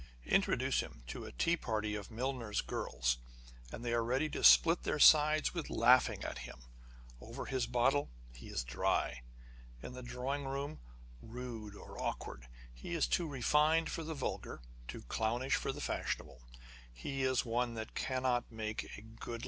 Introduce him to a tea party of milliners' girls, and they ai'e ready to split their sides with laughing at him : over his bottle, he is dry : in the drawing room, rude or awk ward : he is too refined for the vulgar, too clownish for the fashionable : â€" " he is one that cannot make a good 30 On the Conversation of Authors.